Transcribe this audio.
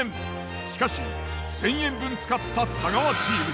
しかし１，０００円分使った太川チーム。